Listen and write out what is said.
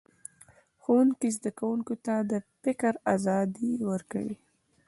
ښوونکی زده کوونکو ته د فکر ازادي ورکوي